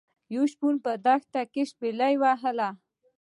یو شپون په دښته کې شپيلۍ وهله.